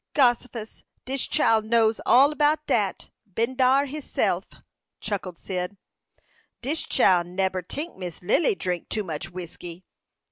"Gossifus! Dis chile knows all about dat; been dar hisself," chuckled Cyd. "Dis chile neber tink Missy Lily drink too much whiskey."